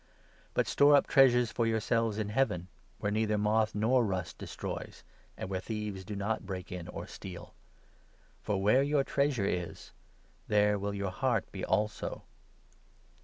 But store up treasures for yourselves 20 in Heaven, where neither moth nor rust destroys, and where thieves do not break in or steal. For where your treasure is, 21 there will your heart be also.